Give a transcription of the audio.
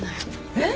えっ！？